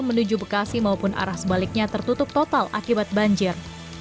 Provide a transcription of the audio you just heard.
menuju bekasi maupun arah sebaliknya tertutup total akibat banjir